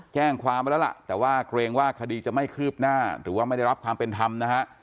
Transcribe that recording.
แจ้งความไว้แล้วล่ะแต่ว่าเกรงว่าคดีจะไม่คืบหน้าหรือว่าไม่ได้รับความเป็นธรรมนะฮะ